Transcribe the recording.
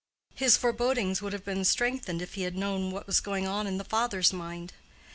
His forebodings would have been strengthened if he had known what was going on in the father's mind.